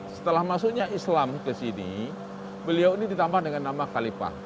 setelah masuknya islam ke sini beliau ini ditambah dengan nama kalipah